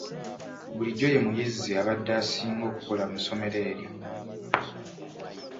Bulijjo ye muyizi abadde asinga okukola mu ssomero eryo.